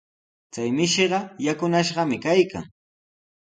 Chay mishiqa yakunashqami kaykan.